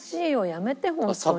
やめて本当に。